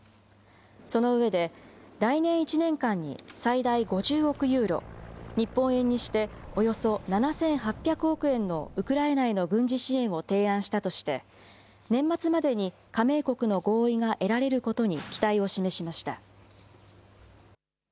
その上で、来年１年間に最大５０億ユーロ、日本円にしておよそ７８００億円のウクライナへの軍事支援を提案したとして、年末までに加盟国の合意が得られることに期待を示しました。